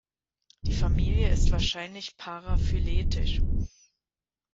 Die Familie ist wahrscheinlich paraphyletisch.